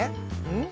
うん？